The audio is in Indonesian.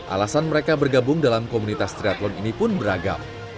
alasan mereka bergabung dalam komunitas triathlon ini pun beragam